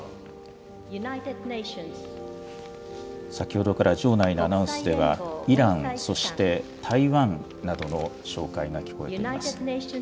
先ほどから場内のアナウンスでは、イラン、そして台湾などの紹介が聞こえています。